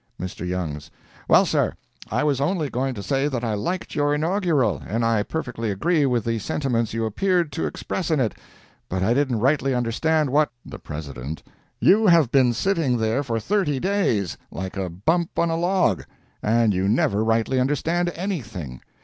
Mr. Youngs—"Well, sir, I was only going to say that I liked your inaugural, and I perfectly agree with the sentiments you appeared to express in it, but I didn't rightly understand what—" The President—"You have been sitting there for thirty days, like a bump on a log, and you never rightly understand anything.